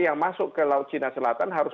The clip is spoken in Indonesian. yang masuk ke laut cina selatan harus